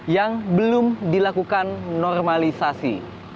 yang belum dilakukan normalisasi